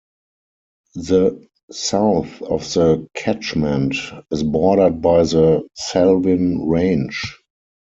The south of the catchment is bordered by the Selwyn Range.